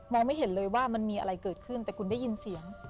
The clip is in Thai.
ไม่เห็นเลยว่ามันมีอะไรเกิดขึ้นแต่คุณได้ยินเสียง